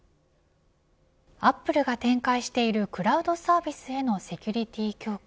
アップルが展開しているクラウドサービスへのセキュリティ強化